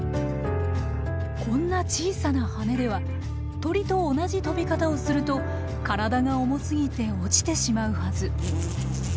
こんな小さな羽では鳥と同じ飛び方をすると体が重すぎて落ちてしまうはず。